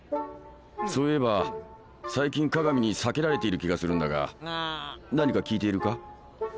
そういえば最近利見に避けられている気がするんだが何か聞いているか？